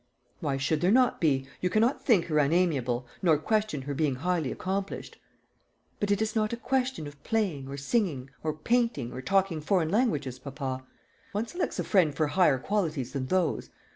"Why should there not be? You cannot think her unamiable, nor question her being highly accomplished." "But it is not a question of playing, or singing, or painting, or talking foreign languages, papa. One selects a friend for higher qualities than those.